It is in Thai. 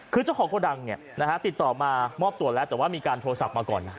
คือเจ้าของโกดังติดต่อมามอบตัวแล้วแต่ว่ามีการโทรศัพท์มาก่อนนะ